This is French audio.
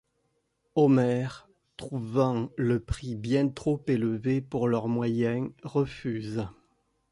Homer, trouvant le prix bien trop élevé pour leurs moyens, refuse.